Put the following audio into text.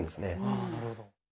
あなるほど。